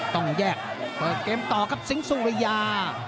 ต้องแยกเปิดเกมต่อครับสิงสุริยา